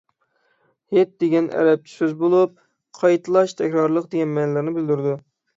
«ھېيت» دېگەن ئەرەبچە سۆز بولۇپ، «قايتىلاش، تەكرارلىق» دېگەن مەنىلەرنى بىلدۈرىدۇ.